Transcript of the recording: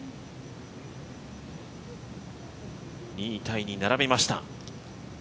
２位タイに並びました。